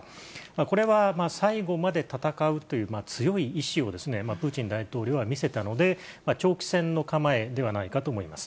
これは最後まで戦うという強い意思をプーチン大統領は見せたので、長期戦の構えではないかと思います。